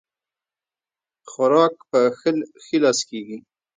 خوراک په ښي لاس کيږي